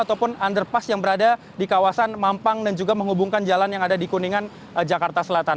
ataupun underpass yang berada di kawasan mampang dan juga menghubungkan jalan yang ada di kuningan jakarta selatan